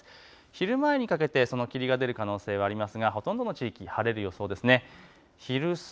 昼前にかけて霧が出る可能性がありますがほとんどの地域晴れそうです。